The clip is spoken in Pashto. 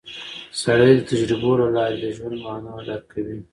سړی د تجربو له لارې د ژوند مانا درک کوي